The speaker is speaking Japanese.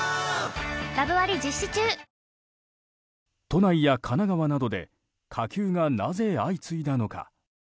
都内や神奈川などで火球がなぜ相次いだのか。